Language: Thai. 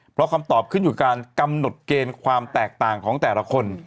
เพราะคำตอบขึ้นอยู่การกำหนดเกณฑ์ความแตกต่างของแต่ละคน